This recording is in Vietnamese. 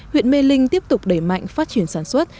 huyện mê linh tiếp tục đẩy mạnh phát triển sản xuất